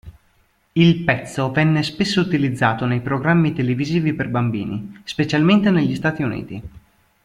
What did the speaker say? Il pezzo venne spesso utilizzato nei programmi televisivi per bambini specialmente negli Stati Uniti.